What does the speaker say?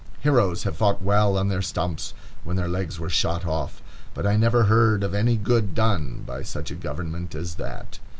Heroes have fought well on their stumps when their legs were shot off, but I never heard of any good done by such a government as that.